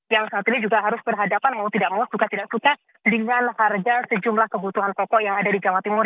yang saat ini juga harus berhadapan mau tidak mau suka tidak suka dengan harga sejumlah kebutuhan pokok yang ada di jawa timur